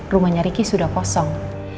rumahnya riki sudah kosong